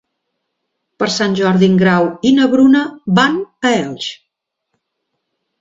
Per Sant Jordi en Grau i na Bruna van a Elx.